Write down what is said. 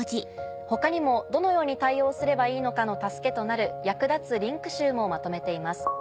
他にもどのように対応すればいいのかの助けとなる役立つリンク集もまとめています。